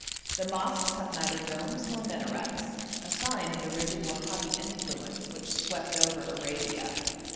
The mosques have neither domes nor minarets a sign of the rigid Wahabi influence which swept over Arabia.